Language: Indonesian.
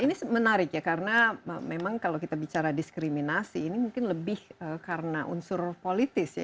ini menarik ya karena memang kalau kita bicara diskriminasi ini mungkin lebih karena unsur politis ya